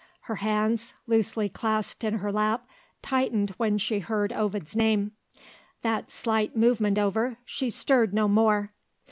Her hands, loosely clasped in her lap, tightened when she heard Ovid's name. That slight movement over, she stirred no more.